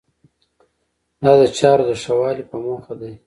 دا د چارو د ښه والي په موخه دی.